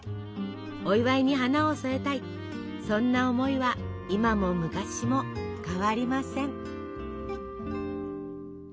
お祝いに花を添えたいそんな思いは今も昔も変わりません。